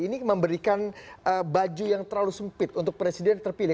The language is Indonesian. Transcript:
ini memberikan baju yang terlalu sempit untuk presiden terpilih